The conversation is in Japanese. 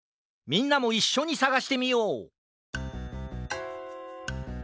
みんなもいっしょにさがしてみよう！